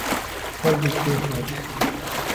غوږ يې کېښود.